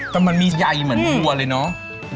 แต่มันมีใยเหมือนวัวเลยเนาะ